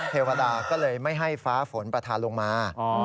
เทวดาก็เลยไม่ให้ฟ้าฝนประธานลงมา